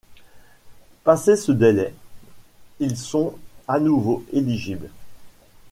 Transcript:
Passé ce délai, ils sont à nouveau éligibles.